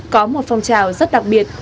có một phong trào rất đặc biệt